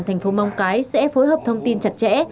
thành phố móng cái sẽ phối hợp thông tin chặt chẽ